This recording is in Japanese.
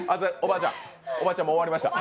おばあちゃん、もう終わりました。